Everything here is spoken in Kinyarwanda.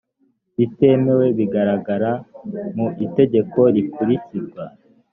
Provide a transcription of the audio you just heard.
bitemewe bigaragara mu itegeko rikurikizwa